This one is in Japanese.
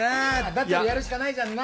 だったらやるしかないじゃんな。